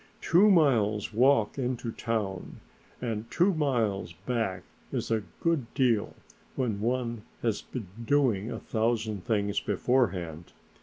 "Two miles walk into town and two miles back is a good deal when one has been doing a thousand things beforehand.